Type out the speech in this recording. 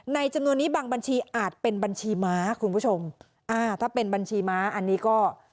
จำนวนนี้บางบัญชีอาจเป็นบัญชีม้าคุณผู้ชมอ่าถ้าเป็นบัญชีม้าอันนี้ก็